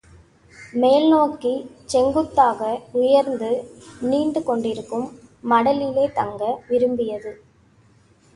மேல்நோக்கிச் செங்குத்தாக உயர்ந்து நீண்டு கொண்டிருக்கும் மடலிலே தங்க விரும்பியது.